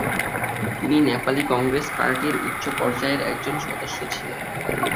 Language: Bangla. তিনি নেপালী কংগ্রেস পার্টির উচ্চ পর্যায়ের একজন সদস্য ছিলেন।